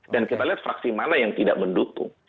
dan kita lihat fraksi mana yang tidak mendukung